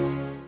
gak pake lama